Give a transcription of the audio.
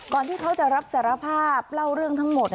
ที่เขาจะรับสารภาพเล่าเรื่องทั้งหมด